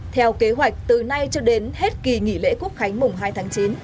theo kế hoạch từ nay cho đến hết kỳ nghỉ lễ quốc khánh mùng hai tháng chín